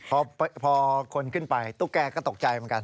พอคนขึ้นไปตุ๊กแกก็ตกใจเหมือนกัน